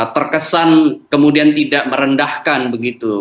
terkesan kemudian tidak merendahkan begitu